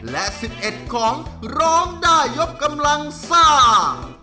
และสิบเอ็ดของร้องได้ยกกำลังซ่า